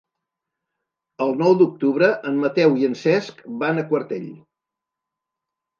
El nou d'octubre en Mateu i en Cesc van a Quartell.